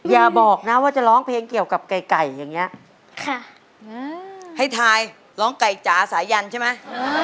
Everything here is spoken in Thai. อย่าบอกนะว่าจะร้องเพลงเกี่ยวกับไก่อย่างนี้ให้ทายร้องไก่จ๋าสายันใช่ไหม